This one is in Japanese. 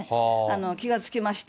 気が付きました。